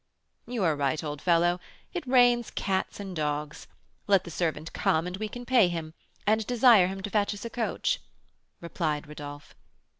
"You are right, old fellow; it rains cats and dogs. Let the servant come and we can pay him, and desire him to fetch us a coach," replied Rodolph.